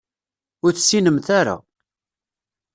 Ur tessinemt ara.